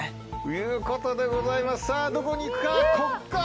いうことでございますさぁどこに行くかここか？